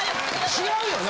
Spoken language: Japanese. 違うよな？